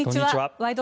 「ワイド！